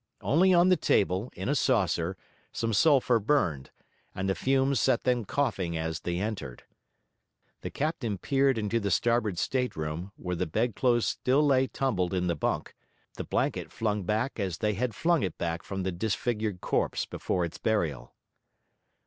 Only on the table, in a saucer, some sulphur burned, and the fumes set them coughing as they entered. The captain peered into the starboard stateroom, where the bed clothes still lay tumbled in the bunk, the blanket flung back as they had flung it back from the disfigured corpse before its burial.